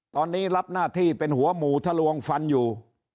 ตอนนี้รับหน้าที่เป็นหัวหมู่ทะลวงฟันอยู่